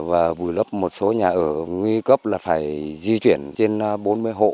và vùi lấp một số nhà ở nguy cấp là phải di chuyển trên bốn mươi hộ